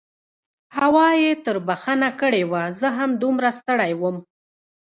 هوا یې تربخه کړې وه، زه هم دومره ستړی وم.